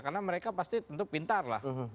karena mereka pasti tentu pintar lah